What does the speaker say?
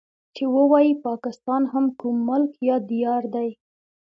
چې ووايي پاکستان هم کوم ملک يا ديار دی.